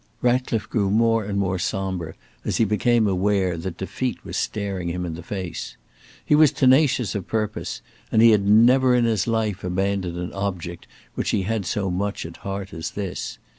Ratcliffe grew more and more sombre as he became aware that defeat was staring him in the face. He was tenacious of purpose, and he had never in his life abandoned an object which he had so much at heart as this.